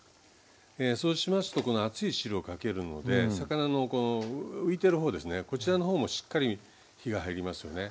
そうしますとこの熱い汁をかけるので魚のこの浮いてる方ですねこちらの方もしっかり火が入りますよね。